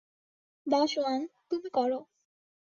দাশওয়াং, তুমি করো।